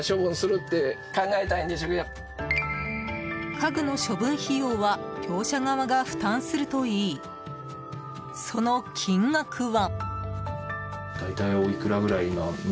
家具の処分費用は業者側が負担するといいその金額は。